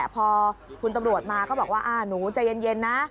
พอคุณตำรวจมาก็บอกว่าหนูใจเย็นนะ